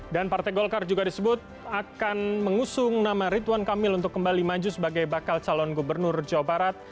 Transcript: dan partai golkar juga disebut akan mengusung nama ritwan kamil untuk kembali maju sebagai bakal calon gubernur jawa barat